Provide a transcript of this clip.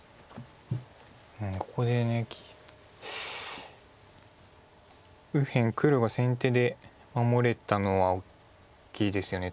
ここで右辺黒が先手で守れたのは大きいですよね